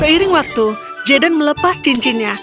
seiring waktu jaden melepas cincinnya